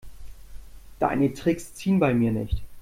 Deine Tricks ziehen bei mir nicht.